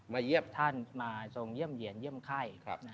เยี่ยมท่านมาทรงเยี่ยมเยี่ยนเยี่ยมไข้